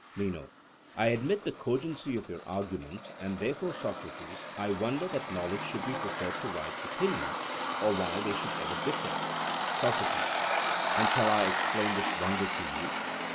MENO: I admit the cogency of your argument, and therefore, Socrates, I wonder that knowledge should be preferred to right opinion or why they should ever differ. SOCRATES: And shall I explain this wonder to you?